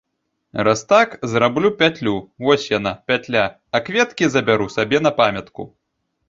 Раз так, зраблю пятлю, вось яна, пятля, а кветкі забяру сабе на памятку.